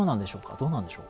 どうなんでしょう？